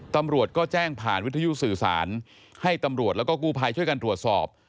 ตำรวจก็แจ้งผ่านวิทยุสื่อสารให้ตำรวจแล้วก็กู้ภัยช่วยกันตรวจสอบ